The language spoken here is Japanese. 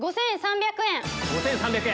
５３００円。